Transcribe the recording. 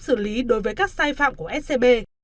xử lý đối với các sai phạm của scb